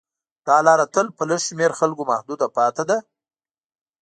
دا لاره تل په لږ شمېر خلکو محدوده پاتې ده.